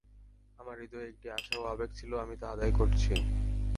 আমার হৃদয়ে একটি আশা ও আবেগ ছিল আমি তা আদায় করেছি।